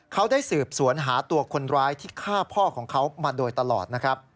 เขาได้สืบสวนหาตัวคนร้ายที่ฆ่าพ่อของเขามาโดยตลอดนะครับ